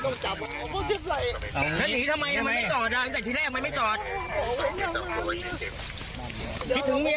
เก็บไหลของเมีย